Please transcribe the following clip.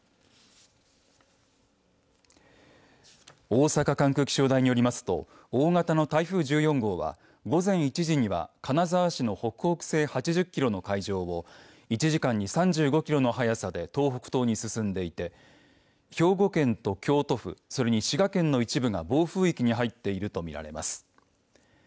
大阪管区気象台によりますと大型の台風１４号は午前１時には金沢市の北北西３０キロの海上を１時間に３５キロの速さで東北東に進んでいて兵庫県と京都府それに滋賀県の一部が暴風域に入っていると見られます。